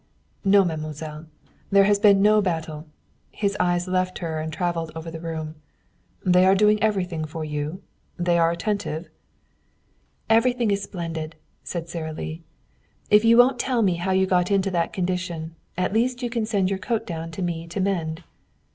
No, mademoiselle. There has been no battle." His eyes left her and traveled over the room. "They are doing everything for you? They are attentive?" "Everything is splendid," said Sara Lee. "If you won't tell me how you got into that condition, at least you can send your coat down to me to mend."